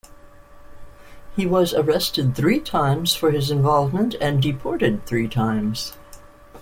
He was arrested three times for his involvement and deported three times.